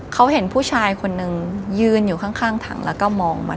เขาเห็นผู้ชายคนนึงยืนอยู่ข้างถังแล้วก็มองมัน